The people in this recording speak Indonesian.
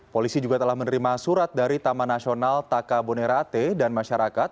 polisi juga telah menerima surat dari taman nasional taka bonerate dan masyarakat